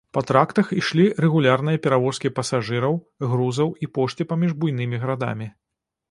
Па трактах ішлі рэгулярныя перавозкі пасажыраў, грузаў і пошты паміж буйнымі гарадамі.